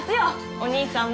お兄さんも。